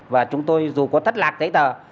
và chúng tôi dù có thất lạc giấy tờ